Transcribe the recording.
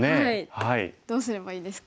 はいどうすればいいですか？